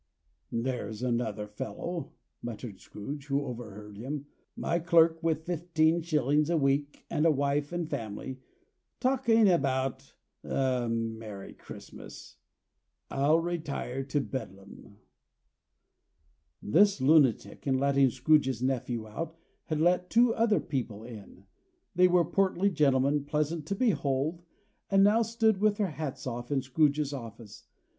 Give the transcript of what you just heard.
"There's another fellow," muttered Scrooge; who overheard him: "my clerk, with fifteen shillings a week, and a wife and family, talking about a merry Christmas. I'll retire to Bedlam." This lunatic, in letting Scrooge's nephew out, had let two other people in. They were portly gentlemen, pleasant to behold, and now stood, with their hats off, in Scrooge's office.